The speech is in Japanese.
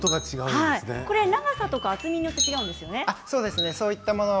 長さとか厚みによって違うんですよね音が。